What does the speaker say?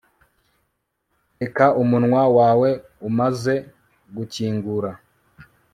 reka umunwa wawe umaze gukingura